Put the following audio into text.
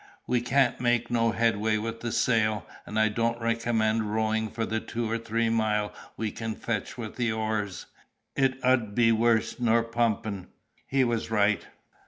"We can't make no headway with the sail, and I don't recommend rowin' for the two or three mile we can fetch with the oars. It 'ud be wurse nor pumpin'." He was right.